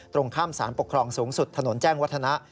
ตรงข้ามสารปกครองสูงสุดถนนแจ้งวัฒนะ